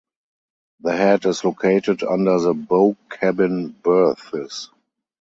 The head is located under the bow cabin berths.